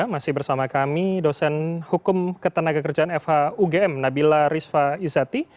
masih bersama kami dosen hukum ketenaga kerjaan fhugm nabila rizfa izati